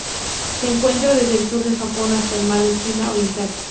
Se encuentra desde el sur del Japón hasta el Mar de la China Oriental.